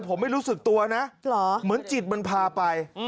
ผมไม่รู้สึกตัวนะเหมือนจิตมันพาไป